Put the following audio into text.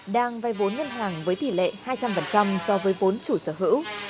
đang vay vốn ngân hàng với tỷ lệ hai trăm linh so với vốn chủ sở hữu